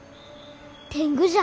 天狗じゃ。